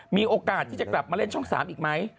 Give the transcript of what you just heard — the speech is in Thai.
มีโอกาสที่จะกลับมาเล่นช่อง๓อีกไหม